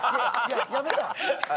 やめた？